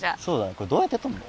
これどうやって撮るの？